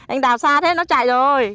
anh đào xa thế nó chạy rồi